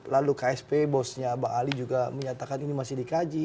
lalu ksp bosnya bang ali juga menyatakan ini masih dikaji